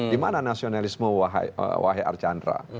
di mana nasionalisme wahai archandra